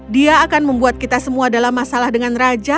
dia akan membuat kita semua dalam masalah dengan raja